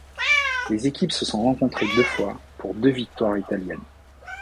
Les équipes se sont rencontrée deux fois pour deux victoires italiennes.